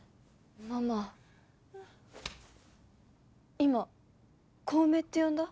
ママ今小梅って呼んだ？